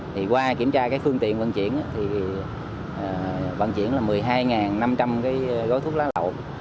thì qua kiểm tra cái phương tiện vận chuyển thì vận chuyển là một mươi hai năm trăm linh cái gói thuốc lá lậu